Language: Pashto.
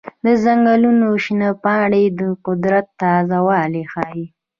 د ځنګلونو شنه پاڼې د قدرت تازه والی ښيي.